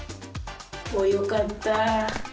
よかった！